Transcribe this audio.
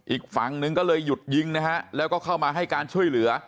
อีกฝั่งนึงก็เลยหยุดยิงนะฮะแล้วก็เข้ามาให้การช่วยเหลือ